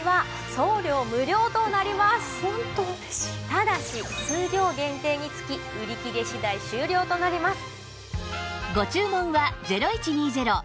ただし数量限定につき売り切れ次第終了となります。